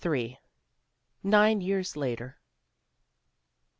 NINE YEARS LATER.